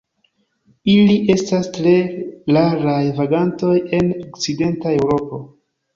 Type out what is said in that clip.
Ili estas tre raraj vagantoj en okcidenta Eŭropo.